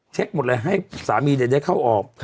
เช็คหมดเลยให้สามีเด็กเข้าออก